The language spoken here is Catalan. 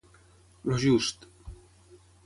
El just.